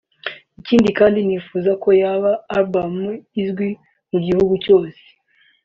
ikindi kandi nifuza ko yazaba album izwi mu gihugu cyose